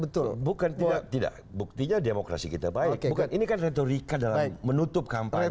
betul bukan tidak tidak buktinya demokrasi kita baik bukan ini kan retorika dalam menutup kampanye